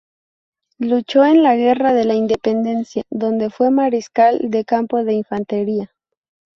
Luchó en la Guerra de la Independencia, donde fue mariscal de campo de Infantería.